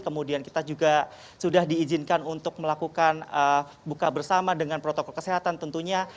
kemudian kita juga sudah diizinkan untuk melakukan buka bersama dengan protokol kesehatan tentunya